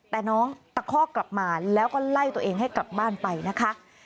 แต่น้องตะคอกกลับมาแล้วก็ไล่ตัวเองให้กลับบ้านไปนะคะ